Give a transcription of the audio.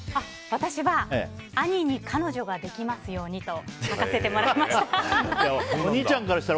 私は兄に彼女ができますようにと書かせてもらいました。